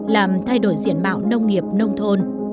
làm thay đổi diện mạo nông nghiệp nông thôn